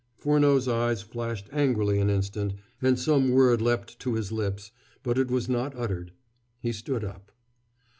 Furneaux's eyes flashed angrily an instant, and some word leapt to his lips, but it was not uttered. He stood up.